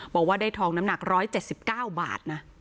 บอกว่าได้ทองน้ำหนัก๑๗๙บาทนะ